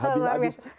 itu luar biasa